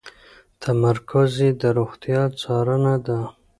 تمرکز یې د روغتیا څارنه ده.